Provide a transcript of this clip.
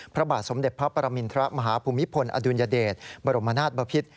พระบาทสมเด็จพระปรมินทรมาฮภูมิพลอดุลยเดชบรมนาศบพิษ